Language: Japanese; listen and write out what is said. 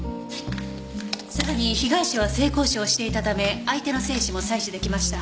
さらに被害者は性交渉していたため相手の精子も採取出来ました。